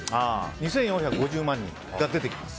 ２４３０万人が出てきます。